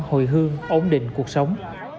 hồi hương ổn định cuộc sống